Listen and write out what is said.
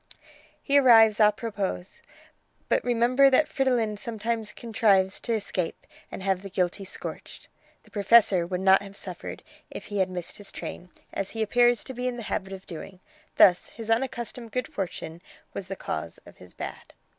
"He arrives a propos. But remember that Fridolin sometimes contrives to escape and have the guilty scorched. The Professor would not have suffered if he had missed his train, as he appears to be in the habit of doing. Thus his unaccustomed good fortune was the cause of his bad."